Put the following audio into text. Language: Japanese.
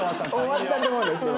終わったと思うんですけど。